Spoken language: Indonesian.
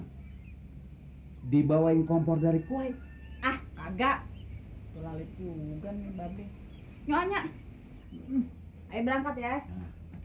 hai dibawah kompor dari kuwait ah kagak lalit juga nih mbaknya nyonya berangkat ya